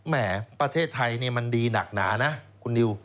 แหมประเทศไทยมันดีหนักหนานะคุณนิว